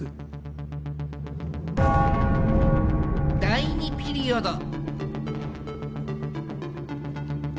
第２ピリオド。